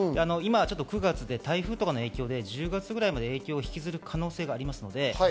９月とかで台風の影響とかで、１０月まで影響を引きずる可能性があります。